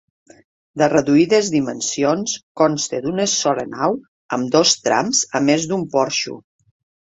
De reduïdes dimensions, consta d'una sola nau amb dos trams a més d'un porxo.